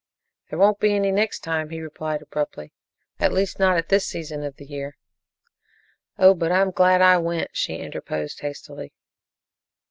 "There won't be any next time," he replied abruptly, "at least not at this season of the year." "Oh, but I'm glad I went," she interposed hastily.